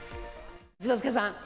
一之輔さん。